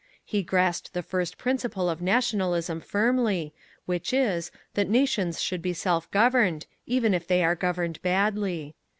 He grasped the first principle of Nationalism firmly, which is, that nations should be self governed, even if they are governed badly.